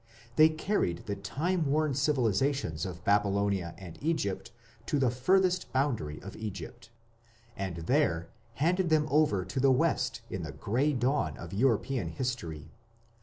They "carried the time worn civilizations of Babylonia and Egypt to the furthest boundary of Egypt, and there handed them over to the West in the grey dawn of European history....